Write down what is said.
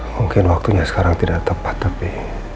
mungkin waktunya sekarang tidak tepat tapi